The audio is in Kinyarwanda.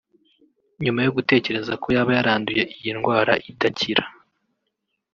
nyuma yo gutekereza ko yaba yaranduye iyi ndwara idakira